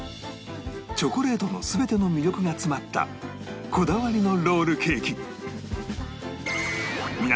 チョコレートの全ての魅力が詰まったこだわりのロールケーキ